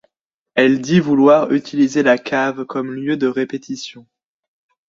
Elle dit vouloir utiliser la cave comme lieu de répétition.